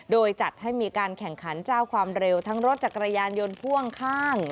โดยจัดให้มีการแข่งขันเจ้าความเร็วทั้งรถจักรยานยนต์พ่วงข้าง